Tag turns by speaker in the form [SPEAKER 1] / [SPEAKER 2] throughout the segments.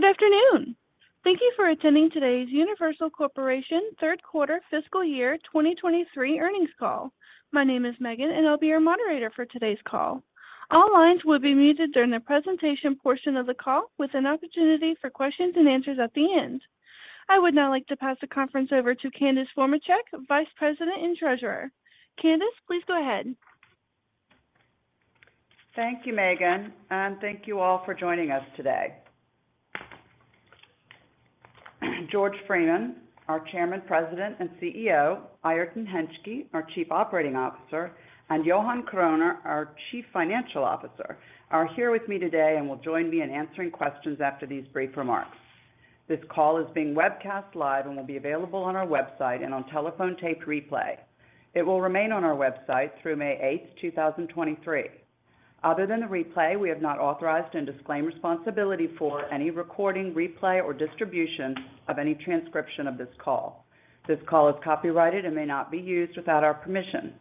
[SPEAKER 1] Good afternoon. Thank you for attending today's Universal Corporation 3rd quarter fiscal year 2023 earnings call. My name is Megan, and I'll be your moderator for today's call. All lines will be muted during the presentation portion of the call with an opportunity for questions and answers at the end. I would now like to pass the conference over to Candace Formacek, Vice President and Treasurer. Candace, please go ahead.
[SPEAKER 2] Thank you, Megan, and thank you all for joining us today. George Freeman, our Chairman, President, and CEO, Airton Hentschke, our Chief Operating Officer, and Johan Kroner, our Chief Financial Officer, are here with me today and will join me in answering questions after these brief remarks. This call is being webcast live and will be available on our website and on telephone tape replay. It will remain on our website through May 8, 2023. Other than the replay, we have not authorized and disclaim responsibility for any recording, replay, or distribution of any transcription of this call. This call is copyrighted and may not be used without our permission.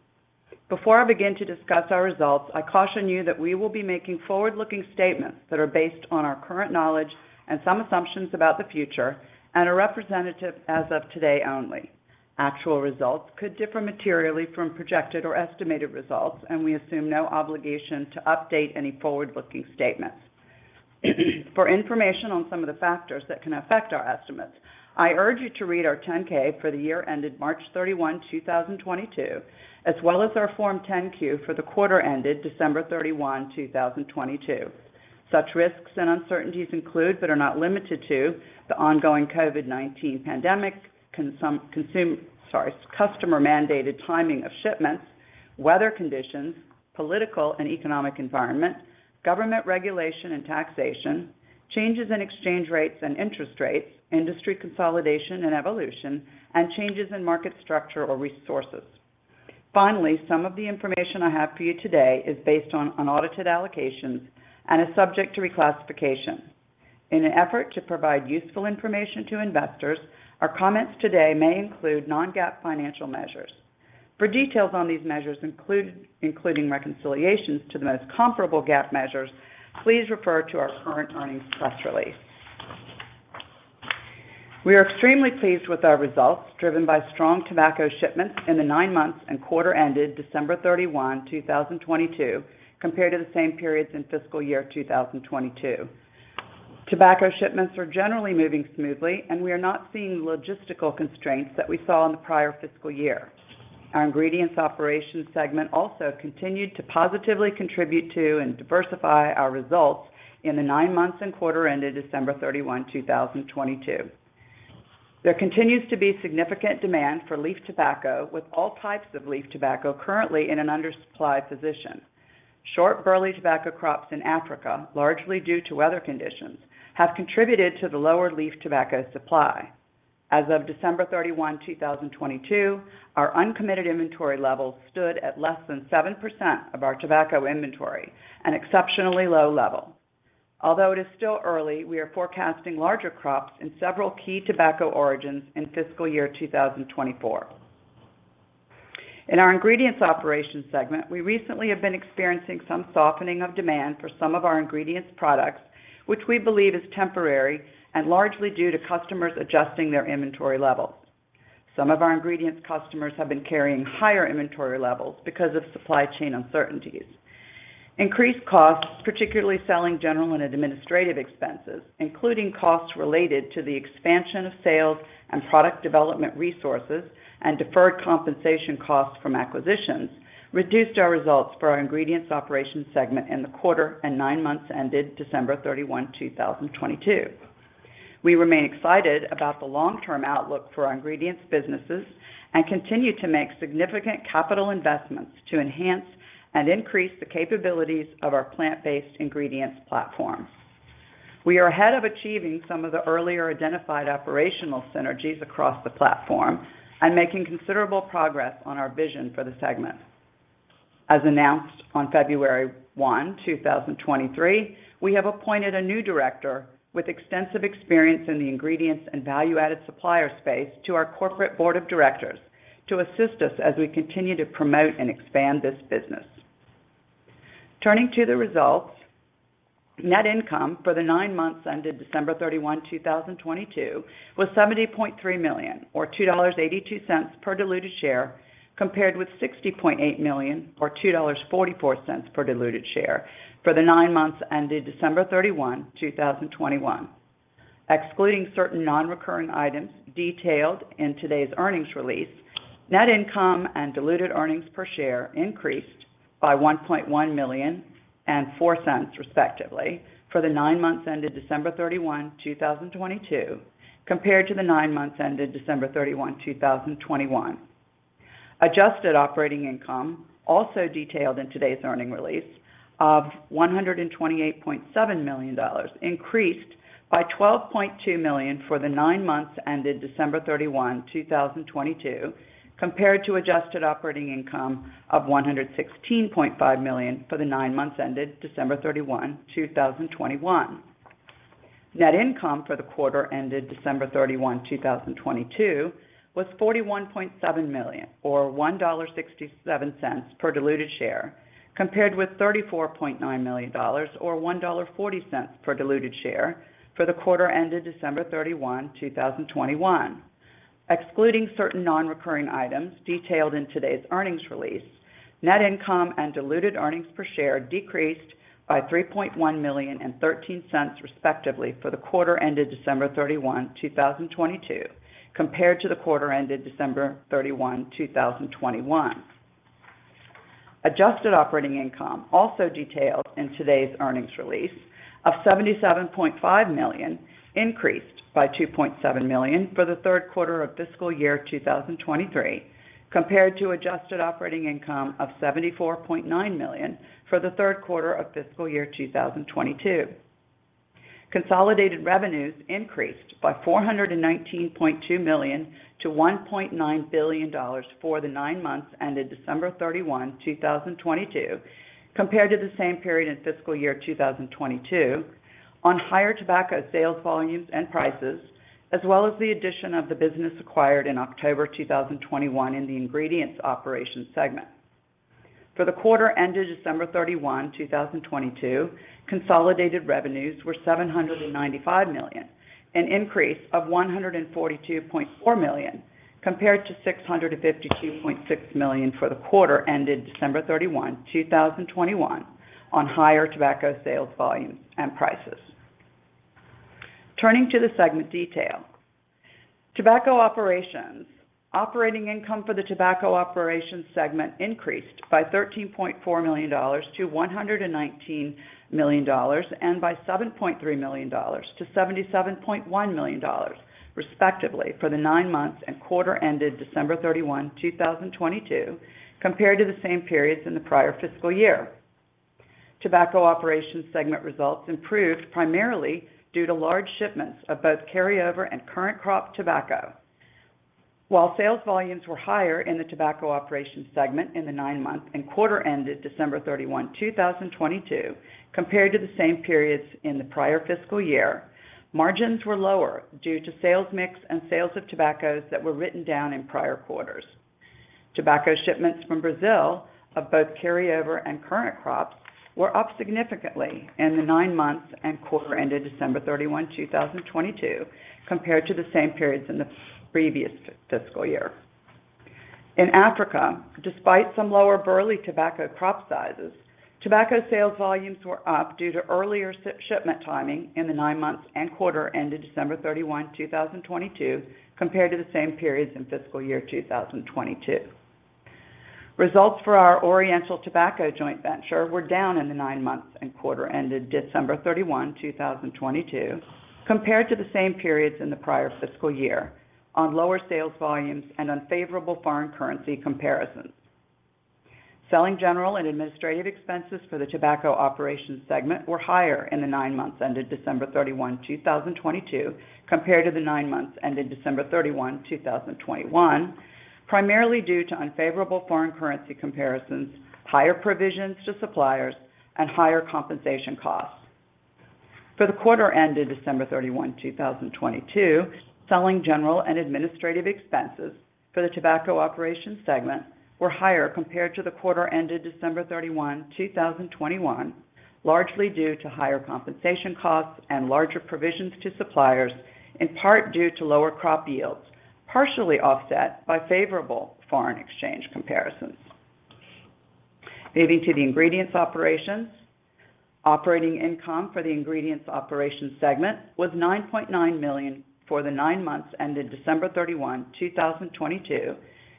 [SPEAKER 2] Before I begin to discuss our results, I caution you that we will be making forward-looking statements that are based on our current knowledge and some assumptions about the future and are representative as of today only. Actual results could differ materially from projected or estimated results, and we assume no obligation to update any forward-looking statements. For information on some of the factors that can affect our estimates, I urge you to read our 10-K for the year ended March 31, 2022, as well as our form 10-Q for the quarter ended December 31, 2022. Such risks and uncertainties include, but are not limited to, the ongoing COVID-19 pandemic, Sorry, customer-mandated timing of shipments, weather conditions, political and economic environment, government regulation and taxation, changes in exchange rates and interest rates, industry consolidation and evolution, and changes in market structure or resources. Finally, some of the information I have for you today is based on unaudited allocations and is subject to reclassification. In an effort to provide useful information to investors, our comments today may include non-GAAP financial measures. For details on these measures, including reconciliations to the most comparable GAAP measures, please refer to our current earnings press release. We are extremely pleased with our results, driven by strong tobacco shipments in the 9 months and quarter ended December 31, 2022, compared to the same periods in fiscal year 2022. Tobacco shipments are generally moving smoothly, we are not seeing logistical constraints that we saw in the prior fiscal year. Our ingredients operations segment also continued to positively contribute to and diversify our results in the 9 months and quarter ended December 31, 2022. There continues to be significant demand for leaf tobacco, with all types of leaf tobacco currently in an undersupplied position. Short burley tobacco crops in Africa, largely due to weather conditions, have contributed to the lower leaf tobacco supply. As of December 31, 2022, our uncommitted inventory levels stood at less than 7% of our tobacco inventory, an exceptionally low level. Although it is still early, we are forecasting larger crops in several key tobacco origins in fiscal year 2024. In our ingredients operations segment, we recently have been experiencing some softening of demand for some of our ingredients products, which we believe is temporary and largely due to customers adjusting their inventory levels. Some of our ingredients customers have been carrying higher inventory levels because of supply chain uncertainties. Increased costs, particularly Selling, General and Administrative expenses, including costs related to the expansion of sales and product development resources and deferred compensation costs from acquisitions, reduced our results for our ingredients operations segment in the quarter and nine months ended December 31, 2022. We remain excited about the long-term outlook for our ingredients businesses and continue to make significant capital investments to enhance and increase the capabilities of our plant-based ingredients platform. We are ahead of achieving some of the earlier identified operational synergies across the platform and making considerable progress on our vision for the segment. As announced on February 1, 2023, we have appointed a new director with extensive experience in the ingredients and value-added supplier space to our corporate board of directors to assist us as we continue to promote and expand this business. Turning to the results, net income for the 9 months ended December 31, 2022 was $70.3 million or $2.82 per diluted share, compared with $60.8 million or $2.44 per diluted share for the 9 months ended December 31, 2021. Excluding certain non-recurring items detailed in today's earnings release, net income and diluted earnings per share increased by $1.1 million and $0.04 respectively for the nine months ended December 31, 2022 compared to the nine months ended December 31, 2021. Adjusted operating income, also detailed in today's earnings release of $128.7 million, increased by $12.2 million for the nine months ended December 31, 2022 compared to adjusted operating income of $116.5 million for the nine months ended December 31, 2021. Net income for the quarter ended December 31, 2022 was $41.7 million or $1.67 per diluted share, compared with $34.9 million or $1.40 per diluted share for the quarter ended December 31, 2021. Excluding certain nonrecurring items detailed in today's earnings release, net income and diluted earnings per share decreased by $3.1 million and $0.13, respectively, for the quarter ended December 31, 2022, compared to the quarter ended December 31, 2021. Adjusted operating income, also detailed in today's earnings release, of $77.5 million increased by $2.7 million for the third quarter of fiscal year 2023, compared to adjusted operating income of $74.9 million for the third quarter of fiscal year 2022. Consolidated revenues increased by $419.2 million to $1.9 billion for the 9 months ended December 31, 2022, compared to the same period in fiscal year 2022, on higher tobacco sales volumes and prices, as well as the addition of the business acquired in October 2021 in the ingredients operations segment. For the quarter ended December 31, 2022, consolidated revenues were $795 million, an increase of $142.4 million compared to $652.6 million for the quarter ended December 31, 2021, on higher tobacco sales volumes and prices. Turning to the segment detail. Tobacco operations. Operating income for the tobacco operations segment increased by $13.4 million to $119 million and by $7.3 million to $77.1 million respectively for the nine months and quarter ended December 31, 2022, compared to the same periods in the prior fiscal year. Tobacco operations segment results improved primarily due to large shipments of both carryover and current crop tobacco. While sales volumes were higher in the tobacco operations segment in the nine month and quarter ended December 31, 2022, compared to the same periods in the prior fiscal year, margins were lower due to sales mix and sales of tobaccos that were written down in prior quarters. Tobacco shipments from Brazil of both carryover and current crops were up significantly in the 9 months and quarter ended December 31, 2022, compared to the same periods in the previous fiscal year. In Africa, despite some lower burley tobacco crop sizes, tobacco sales volumes were up due to earlier shipment timing in the 9 months and quarter ended December 31, 2022, compared to the same periods in fiscal year 2022. Results for our Oriental Tobacco Joint Venture were down in the 9 months and quarter ended December 31, 2022, compared to the same periods in the prior fiscal year on lower sales volumes and unfavorable foreign currency comparisons. Selling, General, and Administrative expenses for the tobacco operations segment were higher in the 9 months ended December 31, 2022, compared to the 9 months ended December 31, 2021, primarily due to unfavorable foreign currency comparisons, higher provisions to suppliers, and higher compensation costs. For the quarter ended December 31, 2022, Selling, General, and Administrative expenses for the tobacco operations segment were higher compared to the quarter ended December 31, 2021, largely due to higher compensation costs and larger provisions to suppliers, in part due to lower crop yields, partially offset by favorable foreign exchange comparisons. Moving to the ingredients operations. Operating income for the ingredients operations segment was $9.9 million for the nine months ended December 31, 2022,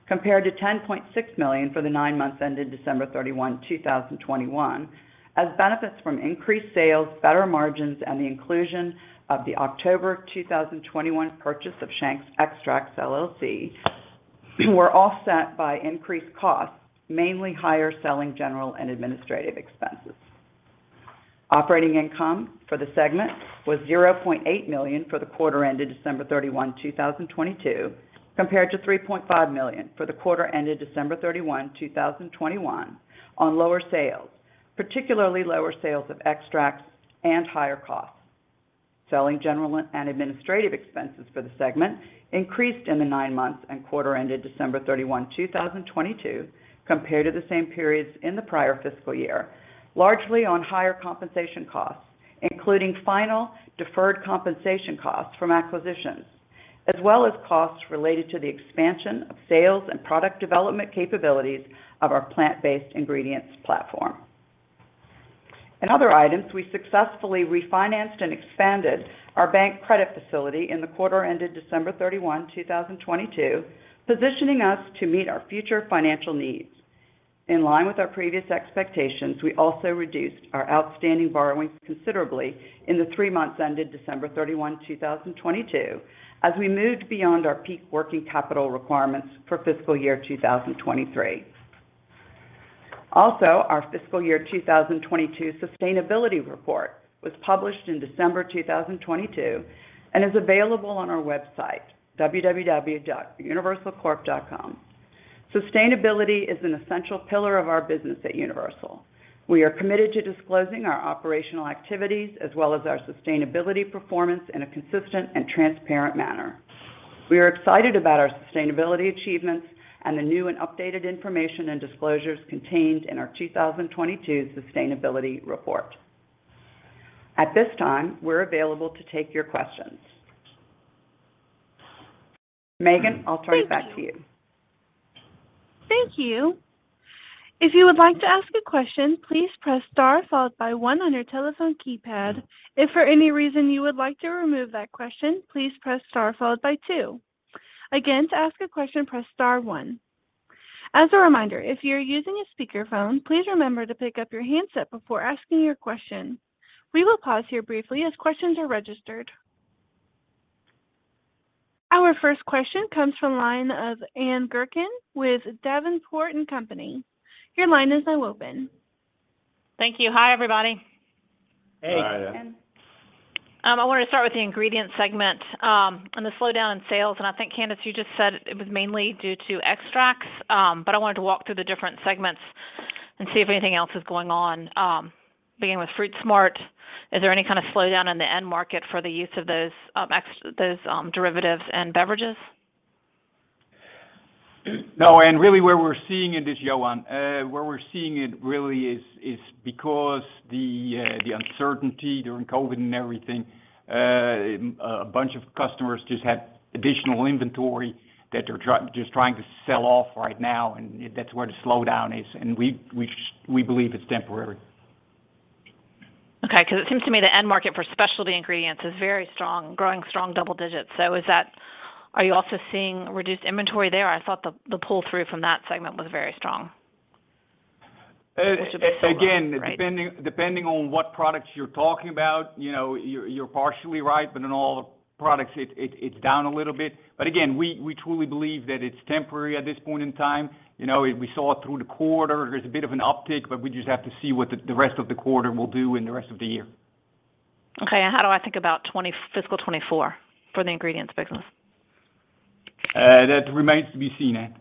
[SPEAKER 2] compared to $10.6 million for the nine months ended December 31, 2021, as benefits from increased sales, better margins, and the inclusion of the October 2021 purchase of Shank's Extracts, LLC were offset by increased costs, mainly higher selling, general, and administrative expenses. Operating income for the segment was $0.8 million for the quarter ended December 31, 2022, compared to $3.5 million for the quarter ended December 31, 2021 on lower sales, particularly lower sales of extracts and higher costs. Selling, general, and administrative expenses for the segment increased in the 9 months and quarter ended December 31, 2022, compared to the same periods in the prior fiscal year, largely on higher compensation costs, including final deferred compensation costs from acquisitions, as well as costs related to the expansion of sales and product development capabilities of our plant-based ingredients platform. In other items, we successfully refinanced and expanded our bank credit facility in the quarter ended December 31, 2022, positioning us to meet our future financial needs. In line with our previous expectations, we also reduced our outstanding borrowings considerably in the 3 months ended December 31, 2022, as we moved beyond our peak working capital requirements for fiscal year 2023. Our fiscal year 2022 sustainability report was published in December 2022 and is available on our website, www.universalcorp.com. Sustainability is an essential pillar of our business at Universal. We are committed to disclosing our operational activities as well as our sustainability performance in a consistent and transparent manner. We are excited about our sustainability achievements and the new and updated information and disclosures contained in our 2022 sustainability report. At this time, we're available to take your questions. Megan, I'll turn it back to you.
[SPEAKER 1] Thank you. If you would like to ask a question, please press star followed by one on your telephone keypad. If for any reason you would like to remove that question, please press star followed by two. Again, to ask a question, press star one. As a reminder, if you're using a speakerphone, please remember to pick up your handset before asking your question. We will pause here briefly as questions are registered. Our first question comes from line of Ann Gurkin with Davenport & Company. Your line is now open.
[SPEAKER 3] Thank you. Hi, everybody.
[SPEAKER 4] Hey.
[SPEAKER 5] Hi, Ann.
[SPEAKER 3] I want to start with the ingredients segment and the slowdown in sales. I think, Candace, you just said it was mainly due to extracts. I wanted to walk through the different segments and see if anything else is going on. Beginning with FruitSmart, is there any kind of slowdown in the end market for the use of those derivatives and beverages?
[SPEAKER 5] No, really where we're seeing it is Johan. Where we're seeing it really is because the uncertainty during COVID and everything, a bunch of customers just have additional inventory that they're just trying to sell off right now, and that's where the slowdown is, and we believe it's temporary.
[SPEAKER 3] Okay, it seems to me the end market for specialty ingredients is very strong, growing strong double digits. Are you also seeing reduced inventory there? I thought the pull-through from that segment was very strong.
[SPEAKER 5] Again, depending on what products you're talking about you're partially right, but in all the products, it's down a little bit. Again, we truly believe that it's temporary at this point in time. You know, we saw it through the quarter. There's a bit of an uptick, but we just have to see what the rest of the quarter will do and the rest of the year.
[SPEAKER 3] Okay. How do I think about fiscal 24 for the ingredients business?
[SPEAKER 5] That remains to be seen, Ann.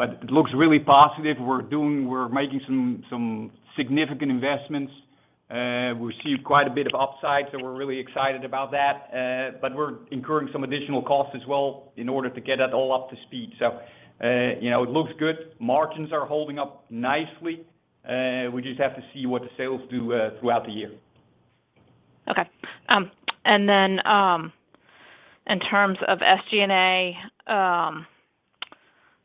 [SPEAKER 5] It looks really positive. We're making some significant investments. We see quite a bit of upside, so we're really excited about that. We're incurring some additional costs as well in order to get that all up to speed. You know, it looks good. Margins are holding up nicely. We just have to see what the sales do throughout the year.
[SPEAKER 3] Okay. In terms of SG&A,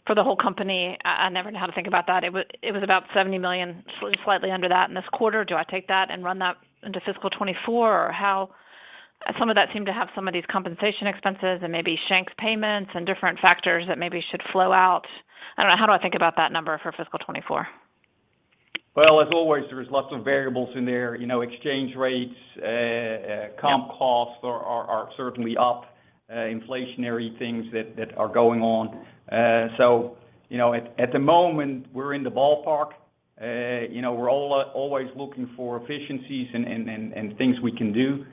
[SPEAKER 3] for the whole company, I never know how to think about that. It was about $70 million, slightly under that in this quarter. Do I take that and run that into fiscal 2024? How... Some of that seemed to have some of these compensation expenses and maybe Shank payments and different factors that maybe should flow out. I don't know. How do I think about that number for fiscal 2024?
[SPEAKER 5] Well, as always, there is lots of variables in there. You know, exchange rates.
[SPEAKER 3] Yeah...
[SPEAKER 5] comp costs are certainly up, inflationary things that are going on. You know, at the moment, we're in the ballpark. You know, we're always looking for efficiencies and things we can do.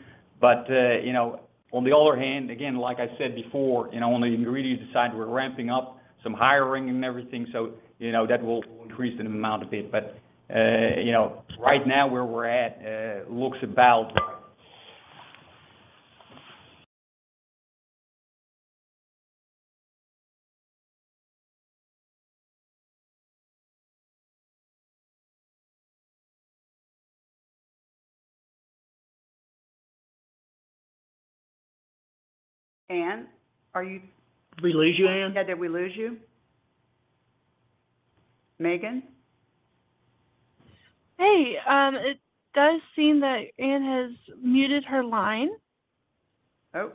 [SPEAKER 5] You know, on the other hand, again, like I said before on the ingredients side, we're ramping up some hiring and everything that will increase the amount a bit. You know, right now where we're at, looks about.
[SPEAKER 4] Ann, are you-
[SPEAKER 1] Did we lose you, Ann?
[SPEAKER 4] Yeah. Did we lose you? Megan?
[SPEAKER 1] Hey, it does seem that Ann has muted her line.
[SPEAKER 4] Oh.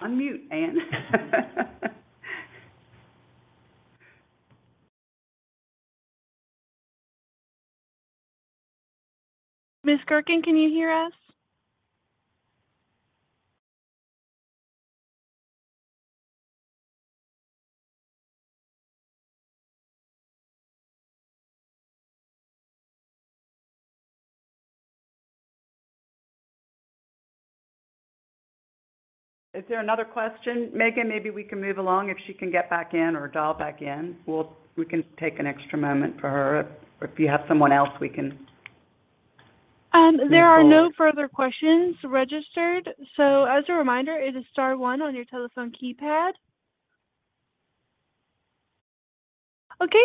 [SPEAKER 4] Unmute, Ann.
[SPEAKER 1] Ms. Gurkin, can you hear us?
[SPEAKER 4] Is there another question? Megan, maybe we can move along if she can get back in or dial back in. We can take an extra moment for her. If you have someone else, we can.
[SPEAKER 1] There are no further questions registered. As a reminder, it is star one on your telephone keypad.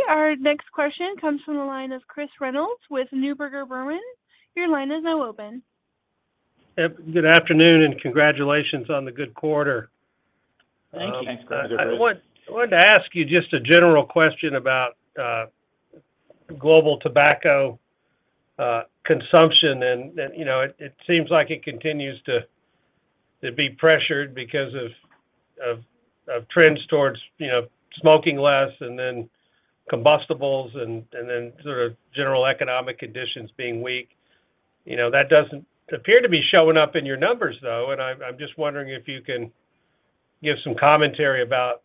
[SPEAKER 1] Our next question comes from the line of Chris Reynolds with Neuberger Berman. Your line is now open.
[SPEAKER 6] Good afternoon, and congratulations on the good quarter.
[SPEAKER 4] Thank you.
[SPEAKER 5] Thanks.
[SPEAKER 6] I wanted to ask you just a general question about global tobacco consumption. You know, it seems like it continues to be pressured because of trends towards smoking less and then combustibles and then sort of general economic conditions being weak. You know, that doesn't appear to be showing up in your numbers, though. I'm just wondering if you can give some commentary about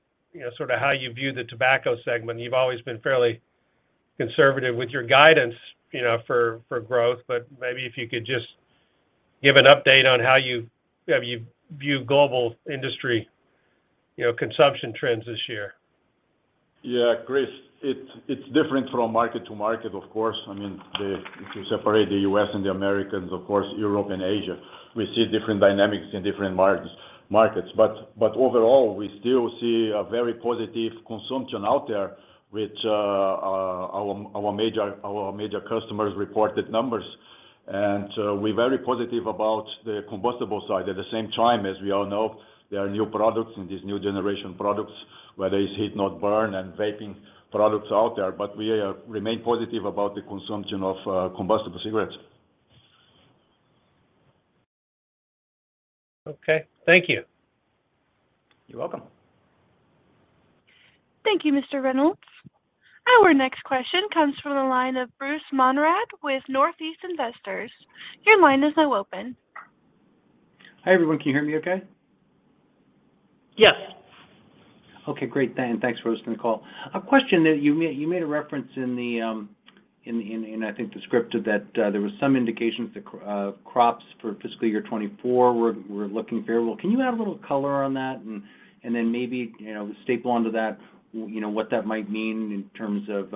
[SPEAKER 6] sort of how you view the tobacco segment. You've always been fairly conservative with your guidance for growth, but maybe if you could just give an update on how you view global industry consumption trends this year.
[SPEAKER 7] Yeah, Chris, it's different from market to market, of course. I mean, if you separate the U.S. and the Americas, of course, Europe and Asia, we see different dynamics in different markets. Overall, we still see a very positive consumption out there, which, our major, our major customers reported numbers. So we're very positive about the combustible side. At the same time, as we all know, there are new products and these new generation products, whether it's heat-not-burn and vaping products out there. We remain positive about the consumption of combustible cigarettes.
[SPEAKER 6] Okay. Thank you.
[SPEAKER 5] You're welcome.
[SPEAKER 1] Thank you, Mr. Reynolds. Our next question comes from the line of Bruce Monrad with Northeast Investors. Your line is now open.
[SPEAKER 8] Hi, everyone. Can you hear me okay?
[SPEAKER 5] Yes.
[SPEAKER 8] Okay, great. Thanks for hosting the call. A question that you made a reference in the script, that there was some indications that crops for fiscal year 2024 were looking very well. Can you add a little color on that? Then maybe staple onto that what that might mean in terms of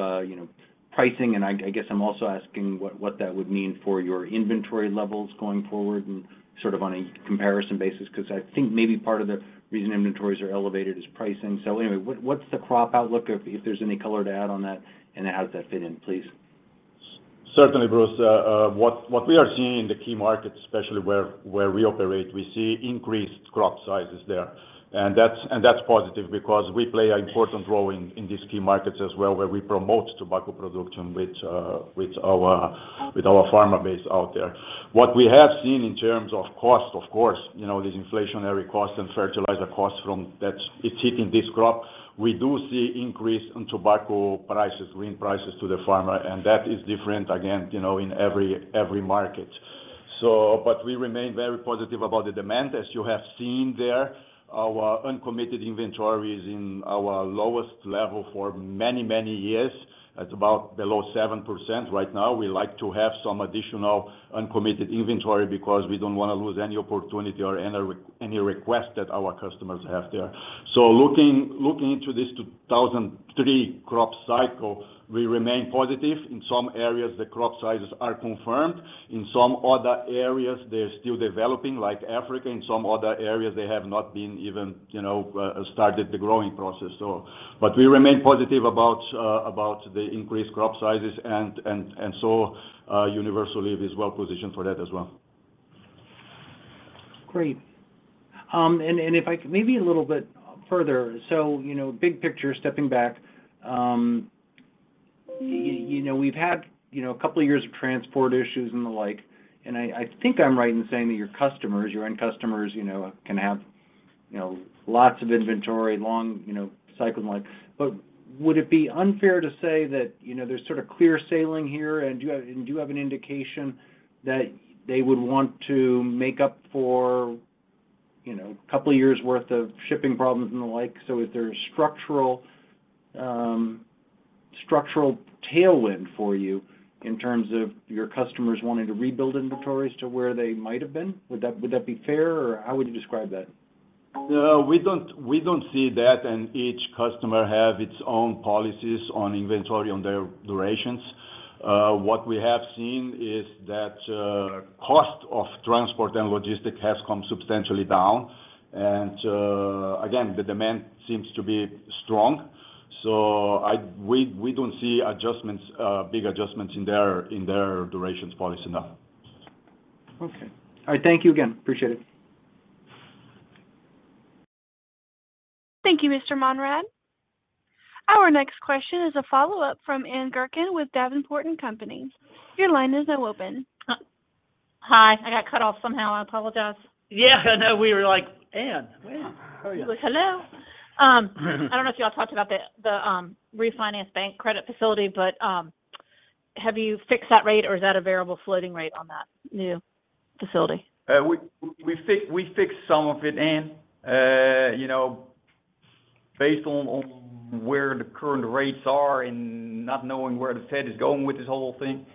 [SPEAKER 8] pricing and I guess I'm also asking what that would mean for your inventory levels going forward and sort of on a comparison basis, 'cause I think maybe part of the reason inventories are elevated is pricing. Anyway, what's the crop outlook if there's any color to add on that, and how does that fit in, please?
[SPEAKER 7] Certainly, Bruce. What we are seeing in the key markets, especially where we operate, we see increased crop sizes there. That's positive because we play an important role in these key markets as well, where we promote tobacco production with our farmer base out there. What we have seen in terms of cost, of course these inflationary costs and fertilizer costs from that, it's hitting this crop. We do see increase in tobacco prices, lean prices to the farmer, and that is different again in every market. We remain very positive about the demand. As you have seen there, our uncommitted inventory is in our lowest level for many, many years. It's about below 7% right now. We like to have some additional uncommitted inventory because we don't wanna lose any opportunity or any request that our customers have there. Looking into this 2003 crop cycle, we remain positive. In some areas, the crop sizes are confirmed. In some other areas, they're still developing, like Africa. In some other areas, they have not been even started the growing process, so. We remain positive about about the increased crop sizes and so Universal Leaf is well positioned for that as well.
[SPEAKER 8] Great. And if I could maybe a little bit further. You know, big picture, stepping back we've had a couple of years of transport issues and the like, and I think I'm right in saying that your customers, your end customers can have lots of inventory, long cycle and the like. Would it be unfair to say that there's sort of clear sailing here, and do you have an indication that they would want to make up for a couple of years worth of shipping problems and the like? Is there a structural tailwind for you in terms of your customers wanting to rebuild inventories to where they might have been? Would that be fair, or how would you describe that?
[SPEAKER 7] No, we don't see that, and each customer has its own policies on inventory, on their durations. What we have seen is that cost of transport and logistics has come substantially down. Again, the demand seems to be strong. We don't see adjustments, big adjustments in their, in their durations policy now.
[SPEAKER 8] Okay. All right, thank you again. Appreciate it.
[SPEAKER 1] Thank you, Mr. Monrad. Our next question is a follow-up from Ann Gurkin with Davenport & Company. Your line is now open.
[SPEAKER 3] Hi. I got cut off somehow. I apologize.
[SPEAKER 5] Yeah. No, we were like, "Ann? Ann?" How are you?
[SPEAKER 3] Hello. I don't know if you all talked about the refinance bank credit facility, but have you fixed that rate, or is that a variable floating rate on that new facility?
[SPEAKER 5] We fixed some of it, Ann. You know, based on where the current rates are and not knowing where the Fed is going with this whole thing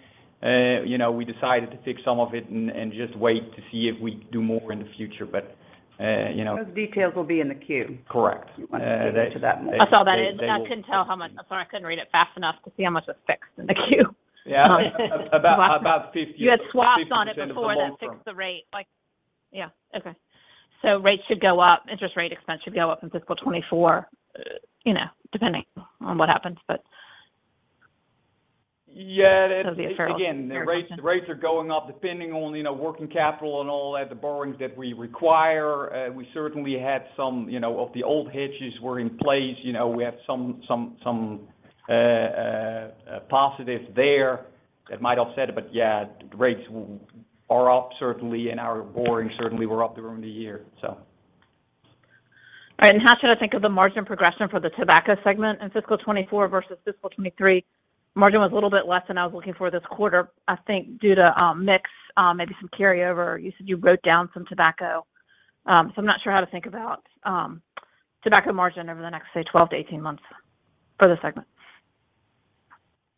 [SPEAKER 5] we decided to fix some of it and just wait to see if we do more in the future. You know.
[SPEAKER 4] Those details will be in the Q.
[SPEAKER 5] Correct.
[SPEAKER 4] If you want to get into that.
[SPEAKER 5] They will-
[SPEAKER 3] I saw that and I couldn't tell how much. I'm sorry. I couldn't read it fast enough to see how much was fixed in the Q.
[SPEAKER 5] Yeah.
[SPEAKER 3] It was-
[SPEAKER 5] About.
[SPEAKER 3] You had swaps on it.
[SPEAKER 5] 50% of the whole sum....
[SPEAKER 3] before then fixed the rate. Like, yeah. Okay. Rates should go up, interest rate expense should go up in fiscal 2024 depending on what happens.
[SPEAKER 5] Yeah.
[SPEAKER 3] The overall...
[SPEAKER 5] Again, the rates are going up depending on working capital and all that, the borrowings that we require. We certainly had some of the old hedges were in place. You know, we have some positives there that might offset. Yeah, rates are up certainly and our borrowing certainly were up during the year.
[SPEAKER 3] All right. How should I think of the margin progression for the tobacco segment in fiscal 2024 versus fiscal 2023? Margin was a little bit less than I was looking for this quarter, I think due to mix, maybe some carryover. You said you wrote down some tobacco, so I'm not sure how to think about tobacco margin over the next, say, 12-18 months for the segment.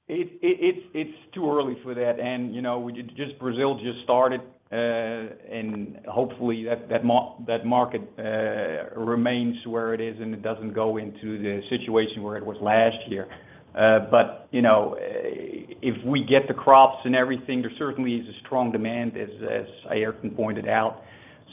[SPEAKER 5] It's too early for that. you know, we just Brazil just started, and hopefully that market remains where it is, and it doesn't go into the situation where it was last year. you know, if we get the crops and everything, there certainly is a strong demand, as Airton pointed out.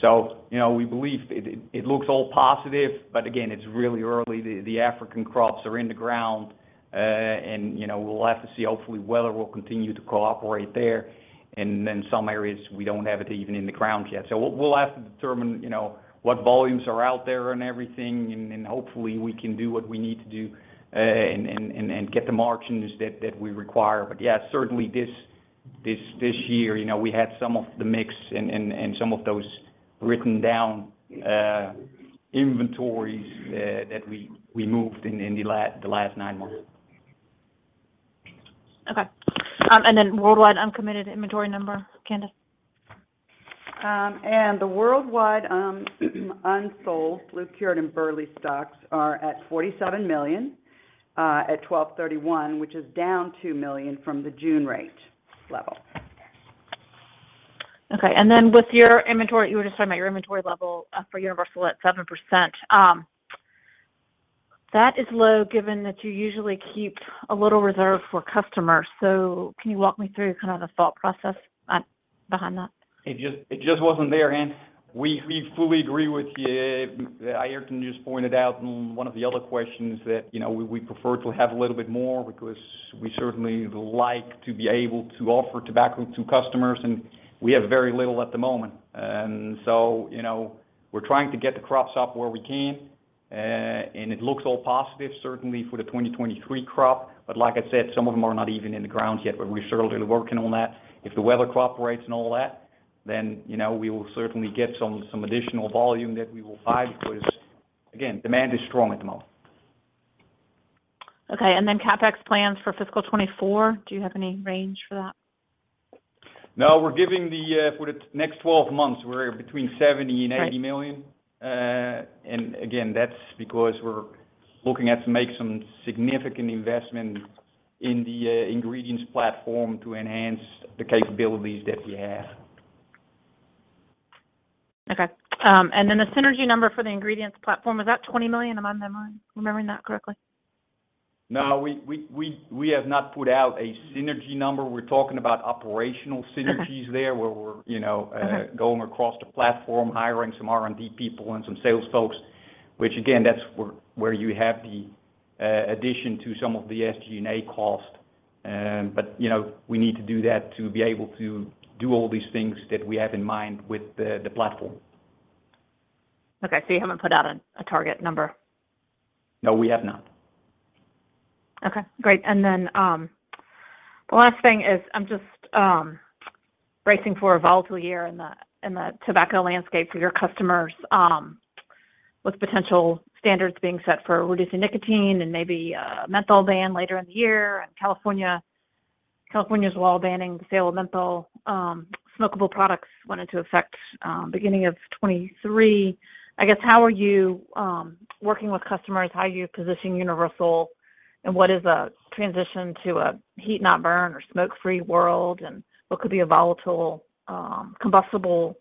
[SPEAKER 5] you know, we believe it looks all positive, but again, it's really early. The African crops are in the ground, and we'll have to see. Hopefully, weather will continue to cooperate there, and then some areas we don't have it even in the ground yet. we'll have to determine what volumes are out there and everything, and hopefully we can do what we need to do, and get the margins that we require. Yeah, certainly this year we had some of the mix and some of those written down inventories that we moved in the last nine months.
[SPEAKER 3] Okay. Then worldwide uncommitted inventory number, Candace?
[SPEAKER 2] The worldwide unsold flue-cured and burley stocks are at 47 million, at 12/31, which is down 2 million from the June rate level.
[SPEAKER 3] Okay. With your inventory... You were just talking about your inventory level for Universal at 7%. That is low given that you usually keep a little reserve for customers. Can you walk me through kind of the thought process behind that?
[SPEAKER 5] It just wasn't there, Ann. We fully agree with you. Airton just pointed out in one of the other questions that we prefer to have a little bit more because we certainly like to be able to offer tobacco to customers, and we have very little at the moment. You know, we're trying to get the crops up where we can, and it looks all positive certainly for the 2023 crop. Like I said, some of them are not even in the ground yet, but we're certainly working on that. If the weather cooperates and all that, then we will certainly get some additional volume that we will buy because, again, demand is strong at the moment.
[SPEAKER 3] Okay. Then CapEx plans for fiscal 2024, do you have any range for that?
[SPEAKER 5] No, we're giving the, for the next 12 months, we're between $70 million and $80 million.
[SPEAKER 3] Right.
[SPEAKER 5] again, that's because we're looking at to make some significant investment in the ingredients platform to enhance the capabilities that we have.
[SPEAKER 3] Okay. Then the synergy number for the ingredients platform, was that $20 million? Am I remembering that correctly?
[SPEAKER 5] No, we have not put out a synergy number. We're talking about operational synergies.
[SPEAKER 3] Okay
[SPEAKER 5] there, where we're, you know.
[SPEAKER 3] Okay...
[SPEAKER 5] going across the platform, hiring some R&D people and some sales folks, which again, that's where you have the addition to some of the SG&A cost. you know, we need to do that to be able to do all these things that we have in mind with the platform.
[SPEAKER 3] Okay. You haven't put out a target number?
[SPEAKER 5] No, we have not.
[SPEAKER 3] Okay, great. The last thing is I'm just bracing for a volatile year in the, in the tobacco landscape for your customers, with potential standards being set for reducing nicotine and maybe a menthol ban later in the year. California's law banning the sale of menthol, smokable products went into effect, beginning of 2023. I guess, how are you working with customers? How are you positioning Universal, and what is a transition to a heat-not-burn or smoke-free world and what could be a volatile, combustible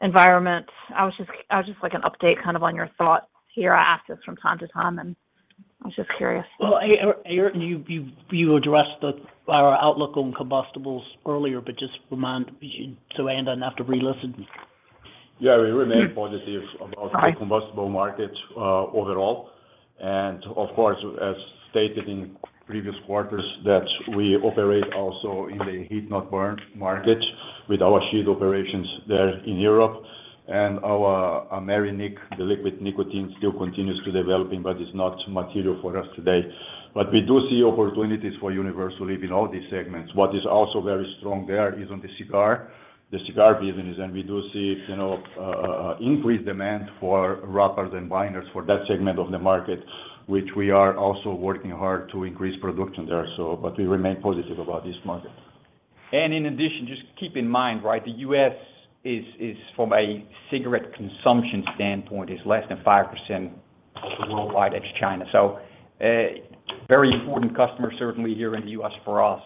[SPEAKER 3] environment? I would just like an update kind of on your thoughts here. I ask this from time to time, and I was just curious.
[SPEAKER 4] Sutton, you addressed the, our outlook on combustibles earlier, but just remind me so Ann doesn't have to re-listen.
[SPEAKER 7] Yeah, we remain positive.
[SPEAKER 3] Right...
[SPEAKER 7] the combustible market overall. Of course, as stated in previous quarters that we operate also in the heat-not-burn market with our Shielco operations there in Europe. Our MariNic, the liquid nicotine, still continues to developing, but it's not material for us today. We do see opportunities for Universal even in all these segments. What is also very strong there is on the cigar. The cigar business. We do see increased demand for wrappers and binders for that segment of the market, which we are also working hard to increase production there. We remain positive about this market.
[SPEAKER 5] In addition, just keep in mind, right, the U.S. is from a cigarette consumption standpoint is less than 5% of the worldwide, that's China. Very important customer certainly here in the U.S. for us,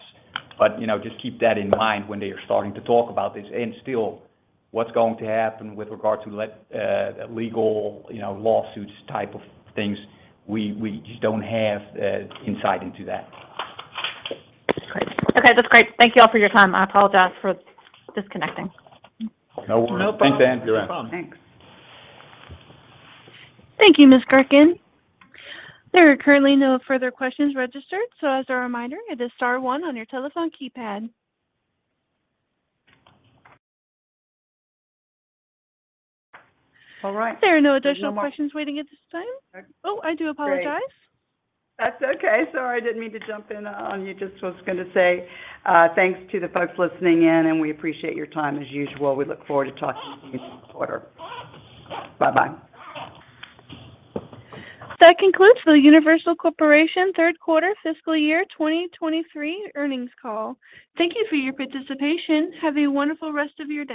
[SPEAKER 5] but you know, just keep that in mind when they are starting to talk about this. Still, what's going to happen with regard to legal lawsuits type of things, we just don't have insight into that.
[SPEAKER 3] That's great. Okay, that's great. Thank you all for your time. I apologize for disconnecting.
[SPEAKER 5] No worries.
[SPEAKER 4] No problem.
[SPEAKER 5] Thanks, Ann.
[SPEAKER 4] No problem.
[SPEAKER 2] Thanks.
[SPEAKER 1] Thank you, Ms. Gurkin. There are currently no further questions registered, so as a reminder, it is star one on your telephone keypad.
[SPEAKER 2] All right.
[SPEAKER 1] There are no additional questions waiting at this time.
[SPEAKER 2] Okay.
[SPEAKER 1] Oh, I do apologize.
[SPEAKER 2] Great. That's okay. Sorry, I didn't mean to jump in on you. Just was gonna say, thanks to the folks listening in, and we appreciate your time as usual. We look forward to talking to you next quarter. Bye-bye.
[SPEAKER 1] That concludes the Universal Corporation third quarter fiscal year 2023 earnings call. Thank you for your participation. Have a wonderful rest of your day.